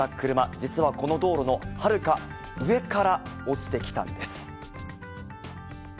実はこの道路のはるか上から落ちてきたんです。